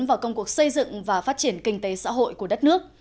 vào công cuộc xây dựng và phát triển kinh tế xã hội của đất nước